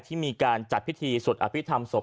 ที่มีการจัดพิธีสวดอภิษฐรรศพ